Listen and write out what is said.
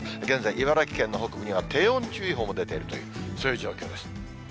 現在、茨城県の北部には低温注意報も出ているという、そういう状況です。